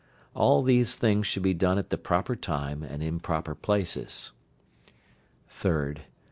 All these things should be done at the proper time and in proper places. 3rd.